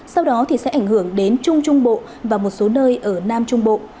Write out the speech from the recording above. sau đó sẽ ảnh hưởng đến trung trung bộ và một số nơi ở nam trung bộ